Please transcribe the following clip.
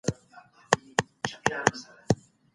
ماشومانو ته د ترافیکي نښو پیژندل ور زده کړئ.